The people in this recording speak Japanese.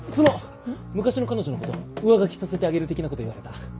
「昔の彼女のこと上書きさせてあげる」的なこと言われた。